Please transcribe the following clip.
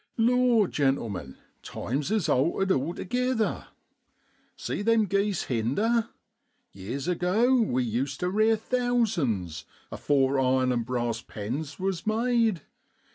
1 Lor, gentlemen, times is altered altogither. See them geese hinder? Yeers ago we used tu rear thousands, afore iron an' brass pens was made.